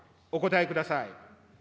お答えください。